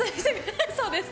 そうです。